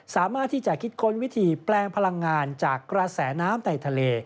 สามารถที่จะคิดค้นวิธีแปลงพลังงานจากกระแสน้ำในทะเล